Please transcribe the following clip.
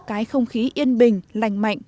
cái không khí yên bình lành mạnh